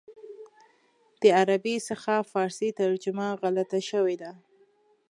د عربي څخه فارسي ترجمه غلطه شوې ده.